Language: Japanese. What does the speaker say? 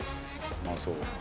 うまそう。